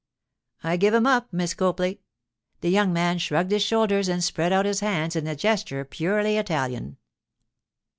'I give him up, Miss Copley.' The young man shrugged his shoulders and spread out his hands in a gesture purely Italian.